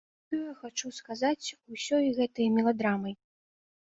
Што я хачу сказаць ўсёй гэтай меладрамай.